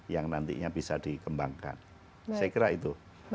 yang nantinya bisa dikembangkan saya kira itu